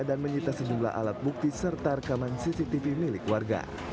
dan menyita sejumlah alat bukti serta rekaman cctv milik warga